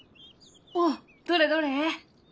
おっどれどれ。